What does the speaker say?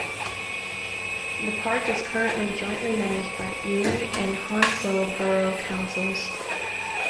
The park is currently jointly managed by Ealing and Hounslow borough councils.